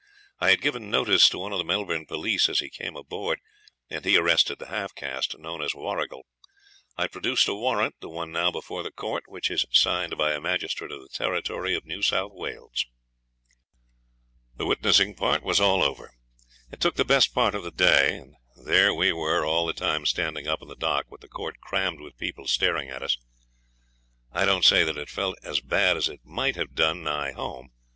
I had given notice to one of the Melbourne police as he came aboard, and he arrested the half caste, known as Warrigal. I produced a warrant, the one now before the court, which is signed by a magistrate of the territory of New South Wales.' The witnessing part was all over. It took the best part of the day, and there we were all the time standing up in the dock, with the court crammed with people staring at us. I don't say that it felt as bad as it might have done nigh home.